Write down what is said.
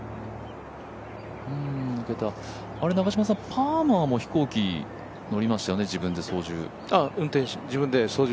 パーマーも飛行機乗りましたよね、自分で操縦。